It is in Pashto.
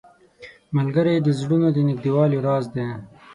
ملګری د زړونو د نږدېوالي راز دی